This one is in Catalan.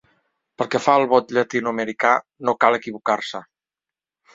Pel que fa al vot llatinoamericà no cal equivocar-se.